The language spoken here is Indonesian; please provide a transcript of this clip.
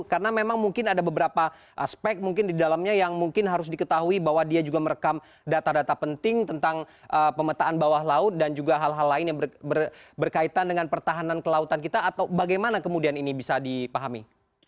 karena memang mungkin ada beberapa aspek mungkin di dalamnya yang mungkin harus diketahui bahwa dia juga merekam data data penting tentang pemetaan bawah laut dan juga hal hal lain yang berkaitan dengan pertahanan kelautan kita atau bagaimana kemudian ini bisa dipahami